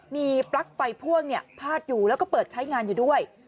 มีปลั๊กไฟพ่วงพาดอยู่แล้วก็เปิดใช้งานอยู่ด้วย